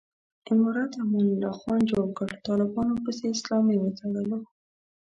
امارت امان الله خان جوړ کړ، طالبانو پسې اسلامي وتړلو.